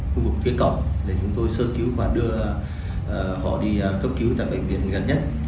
cũng phía cổng để chúng tôi sơ cứu và đưa họ đi cấp cứu tại bệnh viện gần nhất